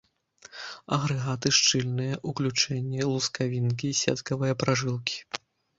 Агрэгаты шчыльныя, уключэнні, лускавінкі, сеткавыя пражылкі.